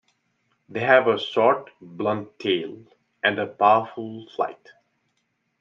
They have a short, blunt tail, and a powerful flight.